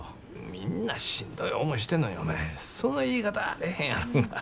みんなしんどい思いしてんのにお前その言い方はあれへんやろが。